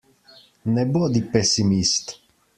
Ne bodi pesimist!